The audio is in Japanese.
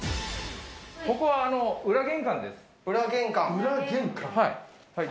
ここは裏玄関です。